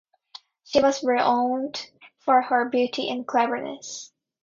She was renowned for her beauty and cleverness.